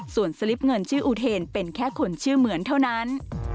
ส่วนสลิปเงินชื่ออูเทนเป็นแค่คนชื่อเหมือนเท่านั้น